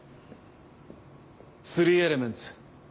スリーエレメンツ。